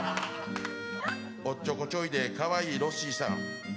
おっちょこちょいでかわいいロッシーさん。